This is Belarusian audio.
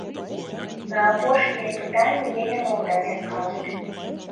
На апошняе пытанне я не мог даць адказу.